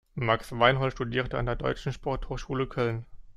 Max Weinhold studierte an der Deutschen Sporthochschule Köln.